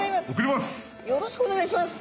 よろしくお願いします。